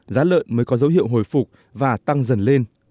giá lợn mới có dấu hiệu hồi phục và tăng dần lên